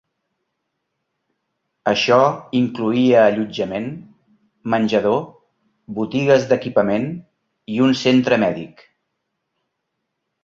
Això incloïa allotjament, menjador, botigues d'equipament i un centre mèdic.